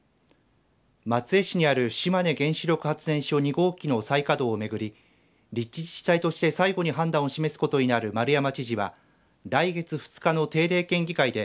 松江市にある島根原子力発電所２号機の再稼働をめぐり立地自治体として最後に判断を示すことになる丸山知事は来月２日の定例県議会で。